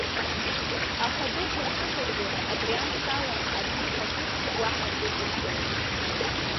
Аха, дук мырҵыкәагьы, абри амшала Али агәыԥ ахь уаҳа дрыдрымкылаӡеит.